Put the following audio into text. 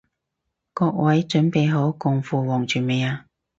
各位準備好共赴黃泉未啊？